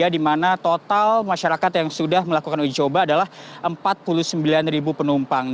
dimana total masyarakat yang sudah melakukan uji coba adalah empat puluh sembilan ribu penumpang